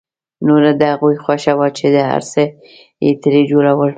نوره د هغوی خوښه وه چې هر څه یې ترې جوړول